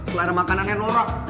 selera makanan yang norak